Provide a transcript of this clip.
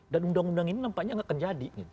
dan undang undang ini nampaknya gak akan jadi gitu